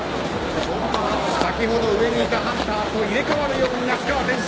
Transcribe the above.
先ほど上にいたハンターと入れ替わるように那須川天心。